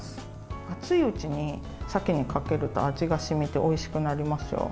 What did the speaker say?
熱いうちに鮭にかけると味が染みておいしくなりますよ。